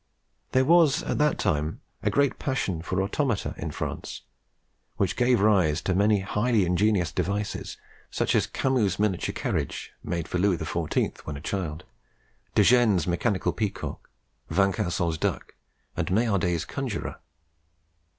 There was at that time a great passion for automata in France, which gave rise to many highly ingenious devices, such as Camus's miniature carriage (made for Louis XIV. when a child), Degennes' mechanical peacock, Vancanson's duck, and Maillardet's conjuror.